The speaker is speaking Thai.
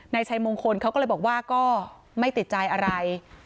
ชัยมงคลเขาก็เลยบอกว่าก็ไม่ติดใจอะไร